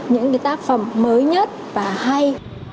những tác phẩm mới nhất và hay